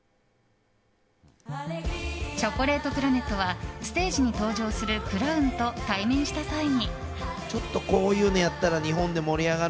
チョコレートプラネットはステージに登場するクラウンと対面した際に。